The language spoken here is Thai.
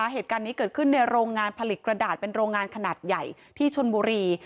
เหตุการณ์นี้เกิดขึ้นในโรงงานผลิตกระดาษเป็นโรงงานขนาดใหญ่ที่ชนบุรี